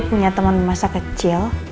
punya teman masa kecil